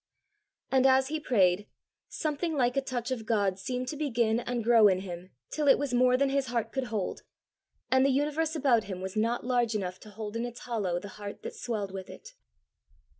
And as he prayed, something like a touch of God seemed to begin and grow in him till it was more than his heart could hold, and the universe about him was not large enough to hold in its hollow the heart that swelled with it.